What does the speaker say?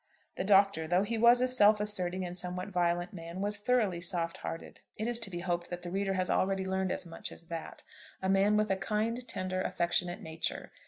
The Doctor, though he was a self asserting and somewhat violent man, was thoroughly soft hearted. It is to be hoped that the reader has already learned as much as that; a man with a kind, tender, affectionate nature.